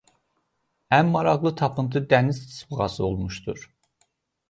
Ən maraqlı tapıntı dəniz tısbağası olmuşdur.